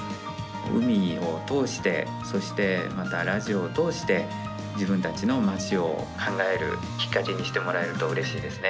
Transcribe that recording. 海を通してそして、またラジオを通して自分たちの町を考えるきっかけにしてもらえるとうれしいですね。